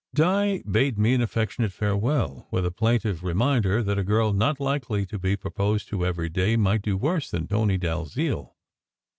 Di bade me an affectionate farewell, with a plaintive reminder that a girl not likely to be proposed to every day might do worse than Tony Dalziel.